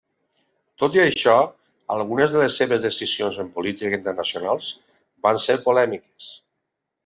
Tot i això, algunes de les seves decisions en política internacionals van ser polèmiques.